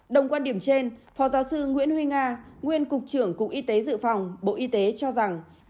đồng quan điểm trên phó giáo sư nguyễn huy nga nguyên cục trưởng cục y tế dự phòng bộ y tế cho rằng